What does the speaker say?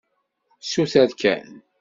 Suter kan.